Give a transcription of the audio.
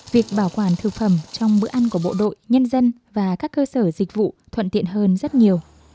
việc bảo quản thực phẩm trong bữa ăn của bộ đội nhân dân và các cơ sở dịch vụ thuận tiện hơn rất nhiều